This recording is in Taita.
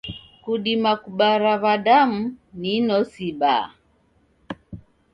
Kudima kubara w'adamu ni inosi ibaa.